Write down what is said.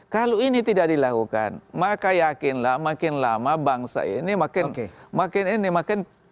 kalau ini tidak dilakukan maka yakinlah makin lama bangsa ini makin ini makin